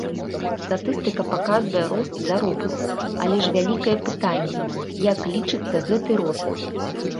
Статыстыка паказвае рост заробкаў, але ж вялікае пытанне, як лічыцца гэты рост.